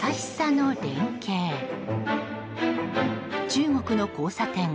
中国の交差点。